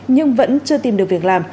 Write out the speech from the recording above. nhưng vẫn chưa tìm được việc làm